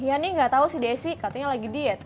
iya nih gak tau si desi katanya lagi diet